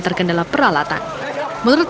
terkendala peralatan menurut